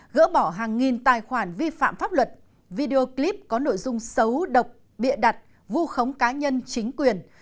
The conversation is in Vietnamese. gỡ bỏ hàng nghìn tài khoản vi phạm pháp luật video clip có nội dung xấu độc bịa đặt vu khống cá nhân chính quyền